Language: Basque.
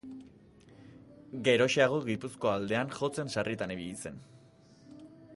Geroxeago, Gipuzkoa aldean jotzen sarritan ibili zen.